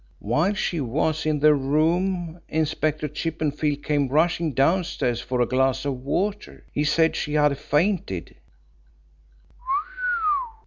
"While she was in the room, Inspector Chippenfield came rushing downstairs for a glass of water. He said she had fainted."